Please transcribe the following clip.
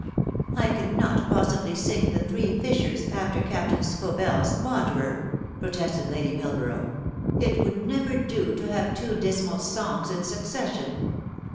" I cannot possibly sing ' The Three Fishers ' after Captain Scobell's ' Wanderer,' " protested Lady Millborough. " It would never do to have two dismal songs in succession."